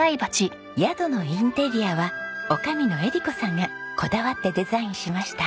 宿のインテリアは女将の絵理子さんがこだわってデザインしました。